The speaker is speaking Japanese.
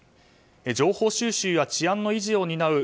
情報収集や治安の維持を担う